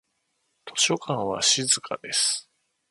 図書館は静かです。